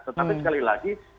tetapi sekali lagi